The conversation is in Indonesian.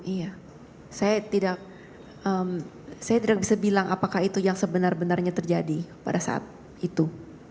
iya saya tidak bisa bilang apakah itu yang sebenarnya terjadi pada saat itu